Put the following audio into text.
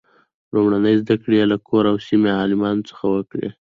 لومړنۍ زده کړې یې له کورنۍ او سیمې عالمانو څخه وکړې.